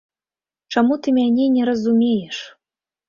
Чаму ты мяне не разумееш?!